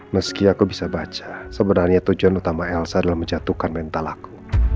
meski aku bisa baca sebenarnya tujuan utama elsa adalah menjatuhkan mental aku